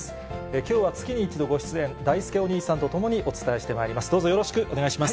きょうは月に１度ご出演、だいすけお兄さんと共にお伝えしてまいります。